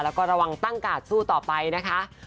แล้วก็ระวังตั้งกาดสู้ต่อไปนะคะ